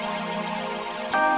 lo masih di situ kan